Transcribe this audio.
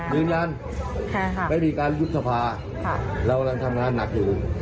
ยืนยันไม่มีการยุบสภาเรากำลังทำงานหนักอยู่